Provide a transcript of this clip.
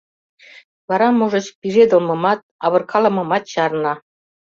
Вара, можыч, пижедылмымат, авыркалымымат чарна.